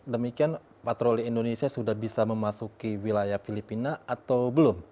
demikian patroli indonesia sudah bisa memasuki wilayah filipina atau belum